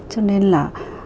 cho nên là